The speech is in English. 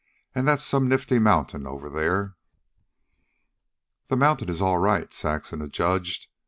An' that's some nifty mountain over there." "The mountain is all right," Saxon adjudged.